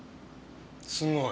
すごい。